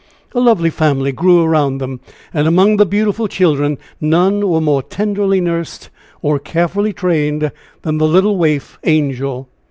A lovely family grew around them and among the beautiful children none were more tenderly nursed or carefully trained than the little waif, Angel.